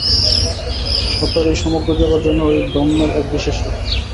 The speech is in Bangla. অতএব এই সমগ্র জগৎ যেন সেই ব্রহ্মের এক বিশেষ রূপ।